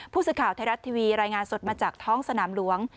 ผู้สื่อข่าวไทยรัฐทีวีรายงานสดมาจากท้องสนามหลวง